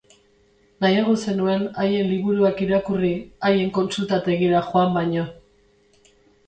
Nahiago zenuen haien liburuak irakurri haien kontsultategira joan baino.